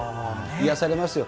癒やされますよ。